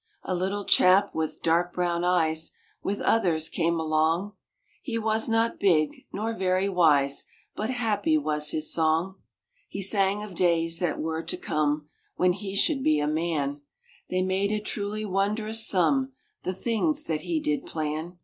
A little chap with dark brown eyes, With others, came along; He was not big, nor very wise, But happy was his song. He sang of days that were to come, When he should be a man ; They made a truly wondrous sum, The things that he did plan.